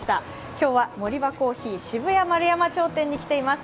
今日はモリバコーヒー渋谷円山町店に来ています。